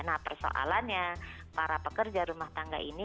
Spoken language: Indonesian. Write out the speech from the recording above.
nah persoalannya para pekerja rumah tangga ini